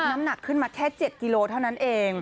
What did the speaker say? น้ำหนักขึ้นมาแค่๗กิโลเท่านั้นเอง